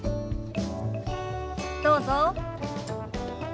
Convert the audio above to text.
どうぞ。